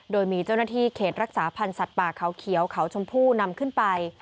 โดยมีเจ้าหน้าที่เขตรักษาพันธ์สัตว์ป่าเขาเขียวเขาชมพู่นำขึ้นไป